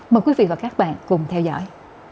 mời quý vị và các bạn cùng theo dõi